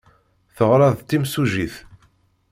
Teɣra d timsujjit.